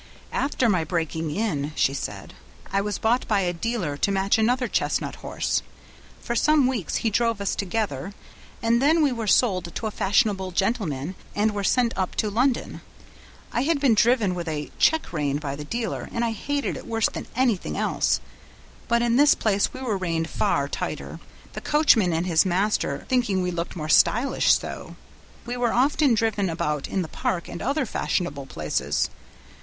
"After my breaking in," she said, "I was bought by a dealer to match another chestnut horse. For some weeks he drove us together, and then we were sold to a fashionable gentleman, and were sent up to London. I had been driven with a check rein by the dealer, and I hated it worse than anything else; but in this place we were reined far tighter, the coachman and his master thinking we looked more stylish so. We were often driven about in the park and other fashionable places.